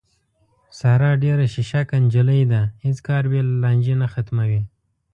ساره ډېره شیشکه نجیلۍ ده، هېڅ کار بې له لانجې نه ختموي.